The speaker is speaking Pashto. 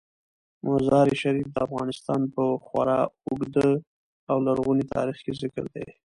مزارشریف د افغانستان په خورا اوږده او لرغوني تاریخ کې ذکر دی.